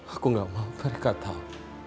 aku gak mau mereka tahu